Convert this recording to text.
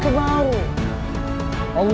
kau akan diserang kami